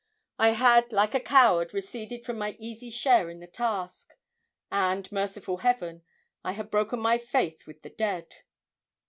I had, like a coward, receded from my easy share in the task; and, merciful Heaven, I had broken my faith with the dead!